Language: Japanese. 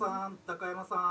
高山さん